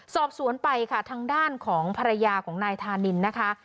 สอบสวนไปค่ะทางด้านของภรรยาของนายธานินนะคะ